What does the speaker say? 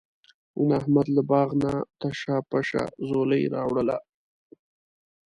نن احمد له باغ نه تشه پشه ځولۍ راوړله.